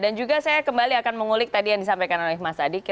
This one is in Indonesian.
dan juga saya kembali akan mengulik tadi yang disampaikan oleh mas adi